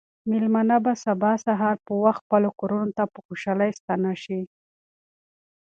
مېلمانه به سبا سهار په وخت خپلو کورونو ته په خوشحالۍ ستانه شي.